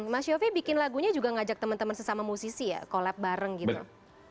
mas yofi bikin lagunya juga ngajak teman teman sesama musisi ya collab bareng gitu